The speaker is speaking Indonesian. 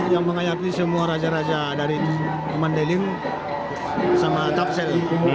yang mengayapi semua raja raja dari mandeling sama tafsel